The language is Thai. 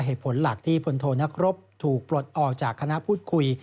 เหตุผลหลักที่พลโทนักรบถูกปลดออกจากคณะพูดคุย